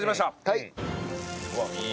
はい。